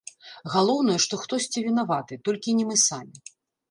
Галоўнае, што хтосьці вінаваты, толькі не мы самі.